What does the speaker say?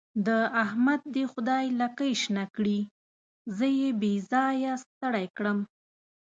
د احمد دې خدای لکۍ شنه کړي؛ زه يې بې ځايه ستړی کړم.